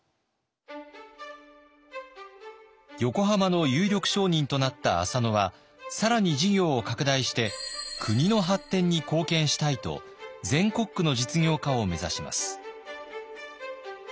横浜の有力商人となった浅野は更に事業を拡大して国の発展に貢献したいと全国区の実業家を目指します。